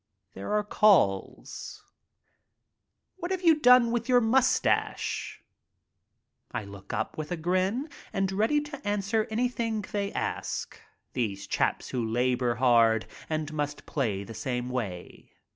There are calls, "What have you done with your mustache?" I look up with a grin and ready to answer anything they ask, these chaps who labor hard and must play the same way.